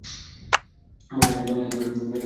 বাংলাদেশ এ ক্ষেত্রে দ্বিতীয় দেশ।